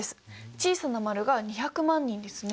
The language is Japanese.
小さな丸が２００万人ですね。